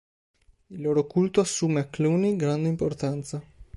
Il loro culto assume a Cluny grande importanza.